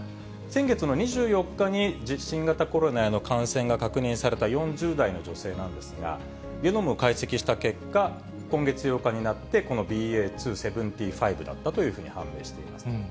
先月の２４日に新型コロナへの感染が確認された４０代の女性なんですが、ゲノム解析した結果、今月８日になって、このＢＡ．２．７５だったというふうに判明しています。